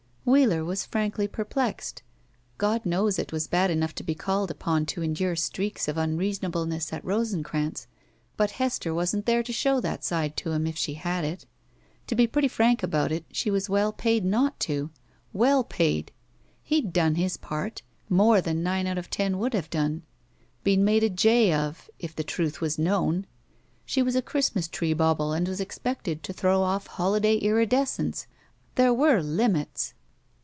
Wheeler was frankly perplexed. God knows it was bad enough to be called ui)on to endtu e streaks of unreasonableness at Rosencranz, but Hester wasn't there to show that side to him if she had it. To be pretty frank about it, she was well paid not to. Well paid! He'd done his part. More than nine out of ten would have done. Been made a jay of, if the truth was known. She was a Christmas tree bauble and was expected to throw off holiday iridescence. There were limits!